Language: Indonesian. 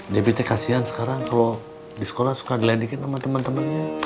debitnya kasihan sekarang kalo di sekolah suka dilendekin sama temen temennya